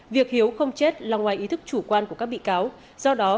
việc hiếu không chết là ngoài ý thức chủ quan của các bị cáo